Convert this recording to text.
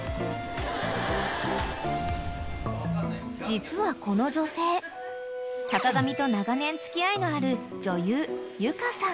［実はこの女性坂上と長年付き合いのある］